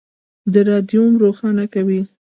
د رادیوم روښانه کوي.